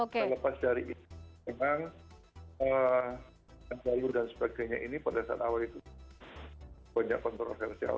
terlepas dari itu memang jalur dan sebagainya ini pada saat awal itu banyak kontroversial